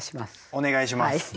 お願いします。